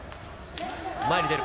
前に出る。